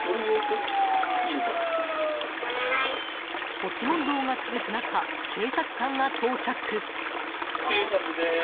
押し問答が続く中警察官が到着。